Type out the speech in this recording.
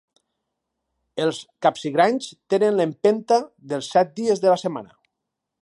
Els Capsigranys tenen l'empenta dels set dies de la setmana.